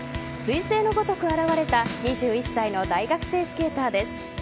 彗星のごとく現れた２１歳の大学生スケーターです。